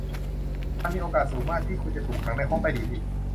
มันมีโอกาสสูงมากที่คุณจะถูกขังในห้องใต้ดินอีก